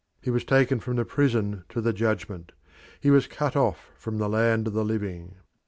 He was taken from the prison to the judgment; he was cut off from the land of the living."